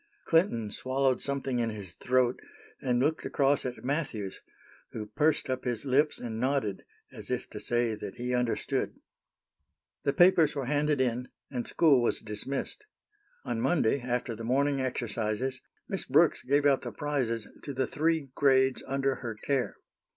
Clinton swallowed something in his throat, and looked across at Matthews, who pursed up his lips and nodded, if to say that he understood. The papers were handed in, and school was dismissed. On Monday, after the morning exercises, Miss Brooks gave out the prizes to the three grades under her care.